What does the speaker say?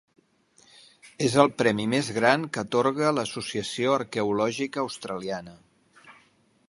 És el premi més gran que atorga l'Associació Arqueològica Australiana.